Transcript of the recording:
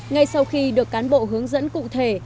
ngay sau khi được cán bộ hướng dẫn cụ thể